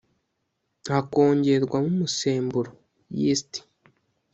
hakongerwamo umusemburo “yeast”